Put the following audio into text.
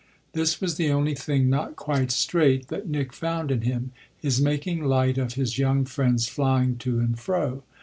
This was the only thing not quite straight that Nick found in him his making light of his young friend's flying to and fro.